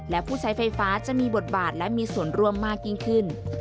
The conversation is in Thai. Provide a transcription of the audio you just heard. และผู้ใช้ไฟฟ้าจะมีบทบาทและมีส่วนร่วมมากยิ่งขึ้น